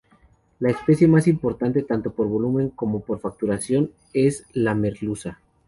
La especie más importante tanto por volumen como por facturación es la merluza.